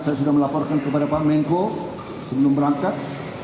saya sudah melaporkan kepada pak menko sebelum berangkat